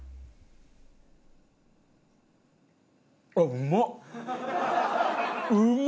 うまっ！